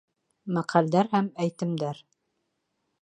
МӘҠӘЛДӘР ҺӘМ ӘЙТЕМДӘР